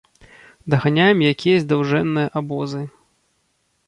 Даганяем якіясь даўжэнныя абозы.